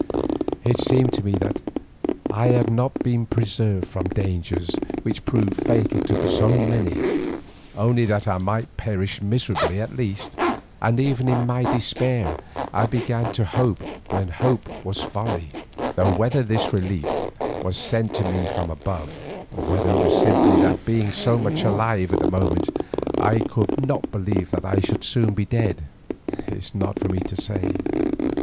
It seemed to me that I had not been preserved from dangers which proved fatal to so many, only that I might perish miserably at last, and even in my despair I began to hope when hope was folly; though whether this relief was sent to me from above, or whether it was simply that being so much alive at the moment I could not believe that I should soon be dead, is not for me to say.